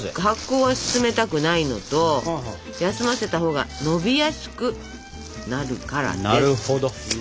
発酵は進めたくないのと休ませたほうがのびやすくなるからです。